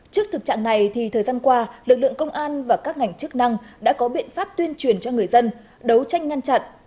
trước thực trạng này thì thời gian qua lực lượng công an và các ngành chức năng đã có biện pháp tuyên truyền cho người dân đấu tranh ngăn chặn